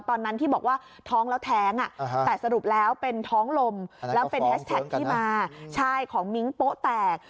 ตอนนั้นที่บอกว่าท้องแล้วแท้งแต่สรุปแล้วเป็นท้องลมแล้วเป็นแฮชแท็กที่มาใช่ของมิ้งโป๊ะแตก